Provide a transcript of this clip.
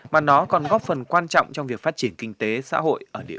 mà nó còn góp phần quan trọng trong việc phát triển kinh tế xã hội